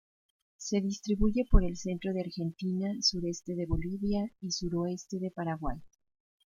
Se distribuye por el centro de Argentina, Sureste de Bolivia y Suroeste de Paraguay.